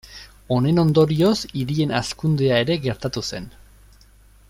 Honen ondorioz hirien hazkundea ere gertatu zen.